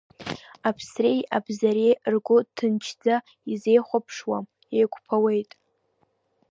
Аԥсреи абзареи ргәы ҭынчӡа изеихәаԥшуам, еиқәԥауеит.